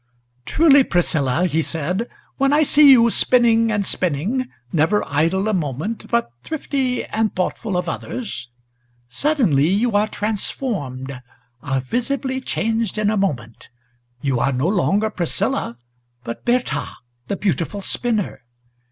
"Truly, Priscilla," he said, "when I see you spinning and spinning, Never idle a moment, but thrifty and thoughtful of others, Suddenly you are transformed, are visibly changed in a moment; You are no longer Priscilla, but Bertha the Beautiful Spinner."